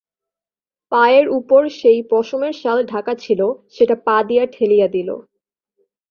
পায়ের উপর সেই পশমের শাল ঢাকা ছিল, সেটা পা দিয়া ঠেলিয়া দিল।